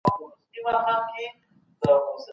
ايا حضوري زده کړه د ښوونکي ملاتړ ژر وړاندې کوي؟